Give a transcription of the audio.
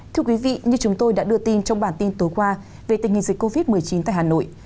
thưa quý vị như chúng tôi đã đưa tin trong bản tin tối qua về tình hình dịch covid một mươi chín tại hà nội